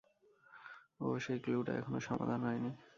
ওহ, সেই ক্লু টা এখনও সমাধান হয়নি।